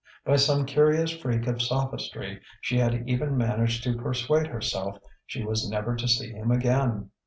By some curious freak of sophistry she had even managed to persuade herself she was never to see him again.